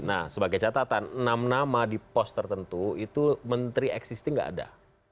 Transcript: nah sebagai catatan enam nama di pos tertentu itu menteri existing gak ada